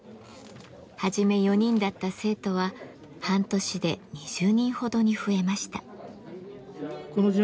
初め４人だった生徒は半年で２０人ほどに増えました。